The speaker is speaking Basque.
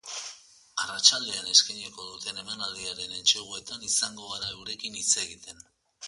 Arratsaldean eskainiko duten emanaldiaren entseguetan izango gara eurekin hitz egiten.